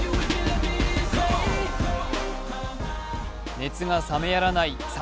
熱が冷めやらない侍